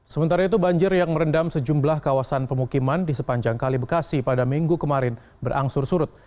sementara itu banjir yang merendam sejumlah kawasan pemukiman di sepanjang kali bekasi pada minggu kemarin berangsur surut